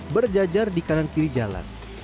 berjajar di kanan kiri jalan